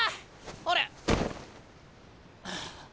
あれ？